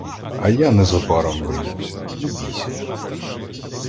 А я незабаром вернуся, не бійся!